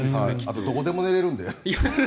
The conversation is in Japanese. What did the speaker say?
あとどこでも寝られるので。